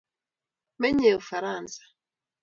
Menyei ufaransa